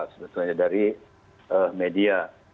sebetulnya dari media